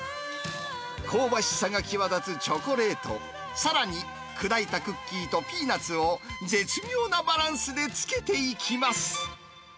香ばしさが際立つチョコレート、さらに砕いたクッキーとピーナツを絶妙なバランスでつけていきます。